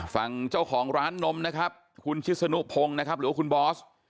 ฝั่งเจ้าของร้านนมนะครับคุณชิสนุพงศ์นะครับหรือว่าคุณบอส